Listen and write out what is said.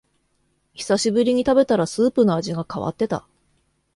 久しぶりに食べたらスープの味が変わってた